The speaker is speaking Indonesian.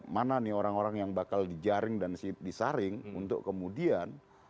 mana nih orang orang yang bakal dijaring dan disaring untuk kemudian